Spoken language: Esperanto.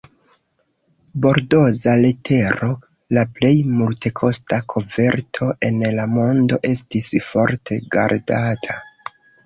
Bordoza letero, la plej multekosta koverto en la mondo, estis forte gardata.